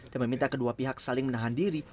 dan meminta kedua pihak saling menahan diri